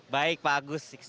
baik pak agus